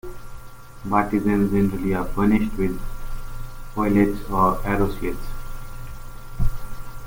Bartizans generally are furnished with oillets or arrow slits.